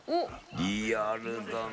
リアルだな。